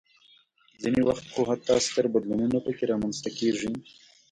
ځینې وخت خو حتی ستر بدلونونه پکې رامنځته کېږي.